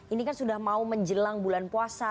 ini kan sudah mau menjelang bulan puasa